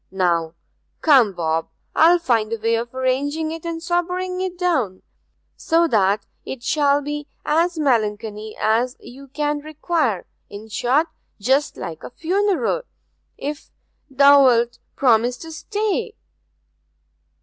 Now, come, Bob, I'll find a way of arranging it and sobering it down, so that it shall be as melancholy as you can require in short, just like a funeral, if thou'lt promise to stay?'